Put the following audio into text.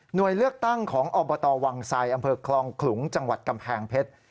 โดยเลือกตั้งของอบตวังไซอำเภอคลองขลุงจังหวัดกำแพงเพชร